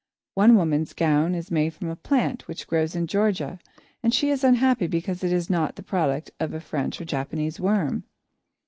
One woman's gown is made from a plant which grows in Georgia and she is unhappy because it is not the product of a French or Japanese worm.